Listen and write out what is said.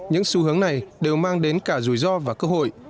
những xu hướng này đều mang đến cả rủi ro và cơ hội